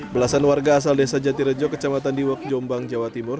belasan warga asal desa jatirejo kecamatan diwak jombang jawa timur